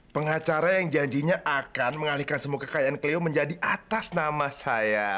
pengacara yang janjinya akan mengalihkan semua kekayaan kelio menjadi atas nama saya